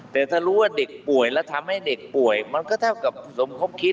แต่ถ้ารู้ว่าเด็กป่วยแล้วทำให้เด็กป่วยมันก็เท่ากับสมคบคิด